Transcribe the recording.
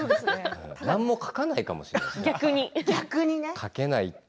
何も書かないかもしれませんね。